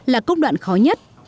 là công đoạn khó nhất